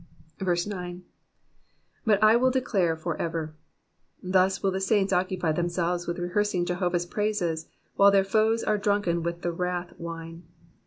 9. But I wUl declare for ever.^^ Thus will the saints occupy themselves with rehearsing Jehovah's praises, while their foes are drunken with the wrath wine.